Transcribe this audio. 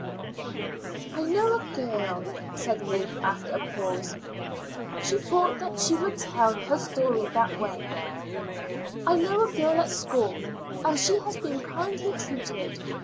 "I know a girl," said Ruth after a pause she thought that she would tell her story that way "I know a girl at school, and she has been kindly treated.